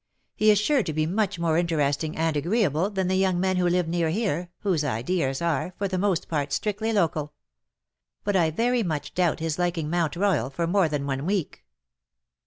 He is sure to be much more interesting and agreeable than the young men "who live near here_, whose ideas are^, for the most part^ strictly local. But I very much doubt his liking Mount Royalj for more than one week.'